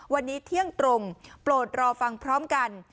วันนี้เที่ยงตรงโปรดรอฟังพร้อมกัน